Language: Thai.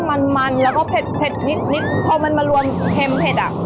มันมันแล้วก็เผ็ดนิดนิดพอมันมารวมเค็มเผ็ดอ่ะ